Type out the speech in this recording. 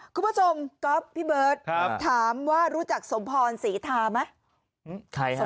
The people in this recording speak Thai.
คุณผู้ชมก๊อฟพี่เบิร์ตถามว่ารู้จักสมพรศรีทาไหม